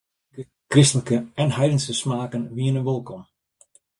Alle politike, kristlike en heidense smaken wiene wolkom.